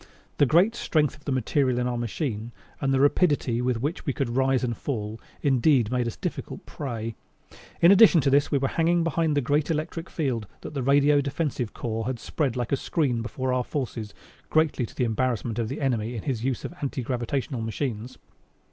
The great strength of the material in our machine, and the rapidity with which we could rise and fall, indeed made us difficult prey. In addition to this we were hanging behind the great electric field that the Radio Defensive Corps had spread like a screen before our forces, greatly to the embarrassment of the enemy in the use of his anti gravitational machines.